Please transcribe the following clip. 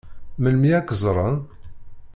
Melmi ad k-ẓṛen?